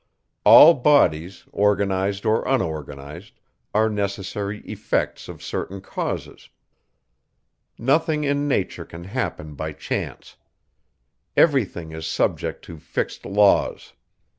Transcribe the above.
All bodies, organized or unorganized, are necessary effects of certain causes. Nothing in nature can happen by chance. Every thing is subject to fixed laws.